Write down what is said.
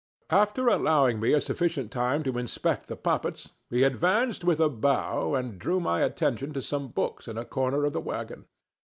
After allowing me a sufficient time to inspect the puppets, he advanced with a bow and drew my attention to some books in a corner of the wagon.